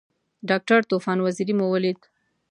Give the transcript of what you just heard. ډاکټر طوفان وزیری مو ولید.